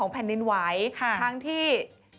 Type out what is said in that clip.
ของแผ่นดินไว้ท่างที่